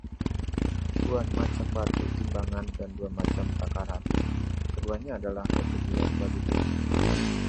Dua macam batu timbangan dan dua macam takaran, keduanya adalah kekejian bagi Tuhan.